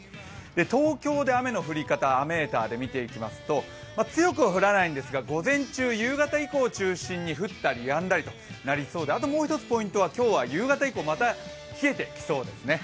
東京で雨の降り方、雨ーターで見ていきますが、午前中、夕方以降を中心に降ったりやんだりとなりそうであともう１つポイントは夕方以降、また冷えてきそうですね